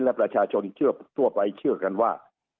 และประชาชนเชื่อทั่วไปเชื่อกันว่า